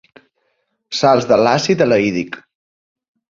Sals de l'àcid elaídic.